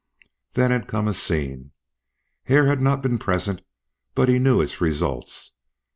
Then had come a scene. Hare had not been present, but he knew its results.